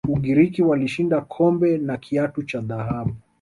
ugiriki walishinda kombe na kiatu cha dhahabu